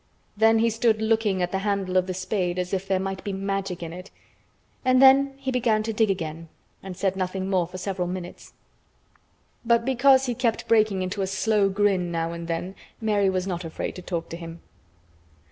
Then he stood looking at the handle of the spade as if there might be Magic in it, and then he began to dig again and said nothing for several minutes. But because he kept breaking into a slow grin now and then, Mary was not afraid to talk to him.